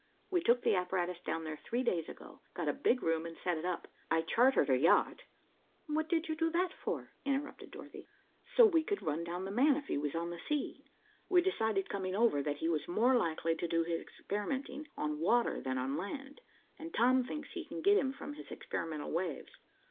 We took the apparatus down there three days ago, got a big room and set it up. I chartered a yacht." "What did you do that for?" interrupted Dorothy. "So we could run down 'the man' if he was on the sea. We decided, coming over, that he was more likely to do his experimenting on water than on land, and Tom thinks he can get him from his experimental waves."